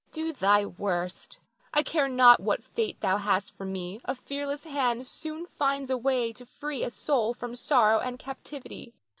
Do thy worst, I care not what fate thou hast for me, a fearless hand soon finds a way to free a soul from sorrow and captivity.